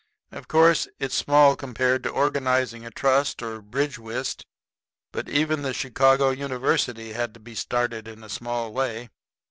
Of course, it's small compared to organizing a trust or bridge whist, but even the Chicago University had to be started in a small way."